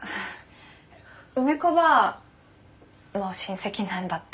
梅子ばぁの親戚なんだって。